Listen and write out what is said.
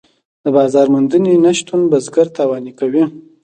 د بازار موندنې نشتون بزګر تاواني کوي.